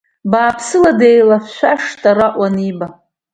Бааԥсыла деилашәашт ара уаниба.